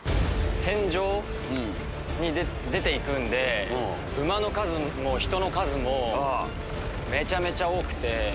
戦場に出て行くんで馬の数も人の数もめちゃめちゃ多くて。